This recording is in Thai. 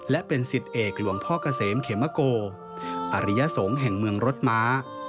และเป็นสิทธิ์เอกหลวงพ่อกาเสมเขม้าก็วอริยสงส์แห่งเมืองโรทม้า